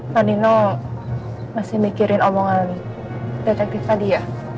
pak nino masih mikirin omongan detektif tadi ya